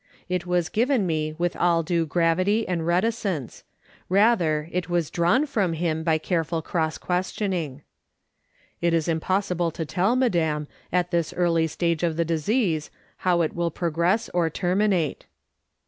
It was given me with all due gravity and reticence : rather it was drawn from him by careful cross questioning. " It is impossible to tell, madam, at this early stage of the disease, how it will progress or terminate.